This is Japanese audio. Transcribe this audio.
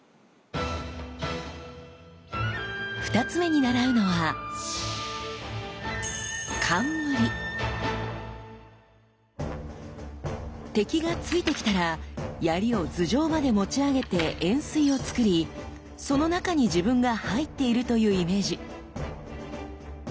２つ目に習うのは敵が突いてきたら槍を頭上まで持ち上げて円錐をつくりその中に自分が入っているというイメージ。